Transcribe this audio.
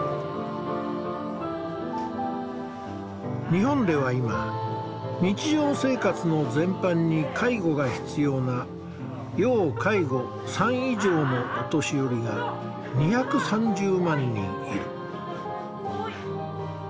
日本では今日常生活の全般に介護が必要な「要介護３」以上のお年寄りが２３０万人いる。